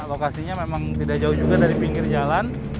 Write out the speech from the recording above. lokasinya memang tidak jauh juga dari pinggir jalan